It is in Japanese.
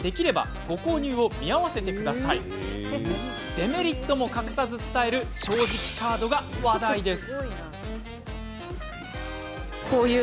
デメリットも隠さず伝える正直カードが話題です。